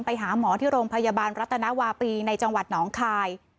ไปหาหมอที่โรงพยาบาลรัตนวาปีในจังหวัดหนองคาย